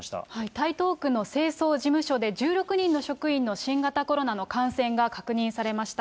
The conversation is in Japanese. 台東区の清掃事務所で１６人の職員の新型コロナの感染が確認されました。